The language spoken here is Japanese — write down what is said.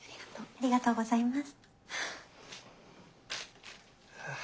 ありがとうございます。